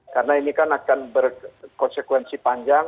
karena ini kan akan berkonsekuensi panjang